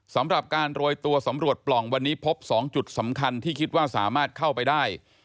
สำหรับการโรยตัวสำรวจปล่องวันนี้พบ๒จุดสำคัญที่คิดว่าสามารถเข้าไปได้